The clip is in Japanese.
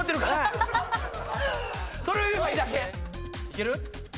いける？